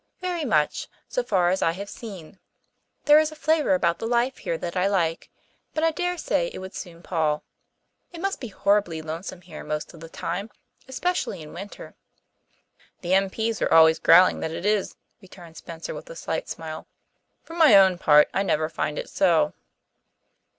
"Very much, so far as I have seen it. There is a flavour about the life here that I like, but I dare say it would soon pall. It must be horribly lonesome here most of the time, especially in winter." "The M.P.s are always growling that it is," returned Spencer with a slight smile. "For my own part I never find it so."